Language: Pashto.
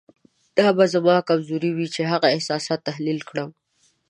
دا به زما کمزوري وي چې هغه احساسات تحلیل کړم.